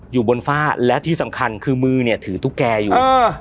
อยู่บนฝ้าแล้วทีสำคัญคือมือถึงทุกแกอยู่